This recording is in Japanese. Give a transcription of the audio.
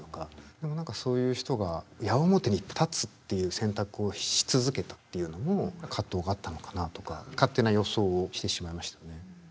でも何かそういう人が矢面に立つっていう選択をし続けたっていうのも葛藤があったのかなとか勝手な予想をしてしまいましたね。